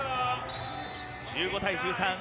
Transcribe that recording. １５対１３。